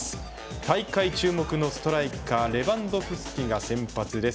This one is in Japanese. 大会注目のストライカーレバンドフスキが先発です。